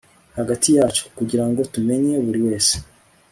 hagati yacu, kugirango tumenye buri wese